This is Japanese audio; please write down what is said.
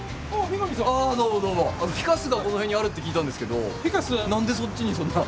フィカスがこの辺にあるって聞いたんですけど何でそっちにそんな。